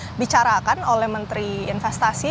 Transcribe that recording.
lagi sudah diceritakan oleh menteri investasi